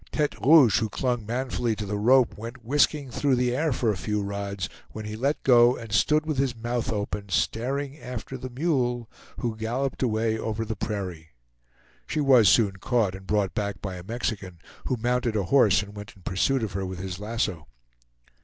Tete Rouge, who clung manfully to the rope, went whisking through the air for a few rods, when he let go and stood with his mouth open, staring after the mule, who galloped away over the prairie. She was soon caught and brought back by a Mexican, who mounted a horse and went in pursuit of her with his lasso.